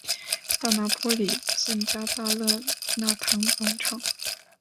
大拿坡里圣加大肋纳堂广场。